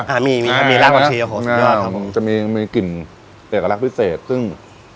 อ่ะมันจะมีกลิ่นเอกลักษณ์พิเศษซึ่ง